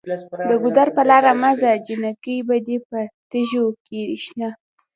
د ګودر په لاره مه ځه جینکۍ به دې په تیږو کې شنه